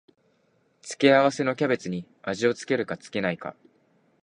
付け合わせのキャベツに味を付けるか付けないか